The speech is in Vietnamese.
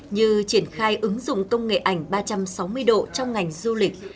như triển khai ứng dụng công nghệ ảnh ba trăm sáu mươi độ trong ngành du lịch